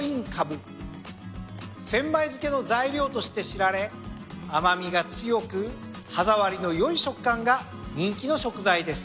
千枚漬けの材料として知られ甘味が強く歯触りの良い食感が人気の食材です。